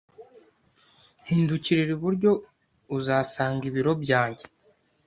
Hindukirira iburyo, uzasanga ibiro byanjye.